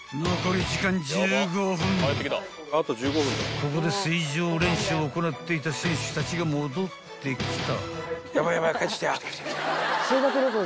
［ここで水上練習を行っていた選手たちが戻ってきた］